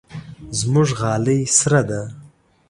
زموږ غالۍ سره ده.